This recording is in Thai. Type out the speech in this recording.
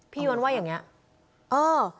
พี่โยนว่าอย่างนี้